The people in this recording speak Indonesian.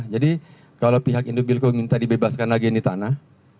jadi kalau pihak indobilco minta dibebaskan lagi ini tanah